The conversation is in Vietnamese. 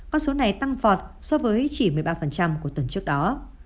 con số này tăng vọt so với chỉ một mươi ba của tuần trước đó